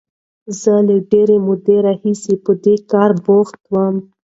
زه له ډېرې مودې راهیسې په دې کار بوخت وم.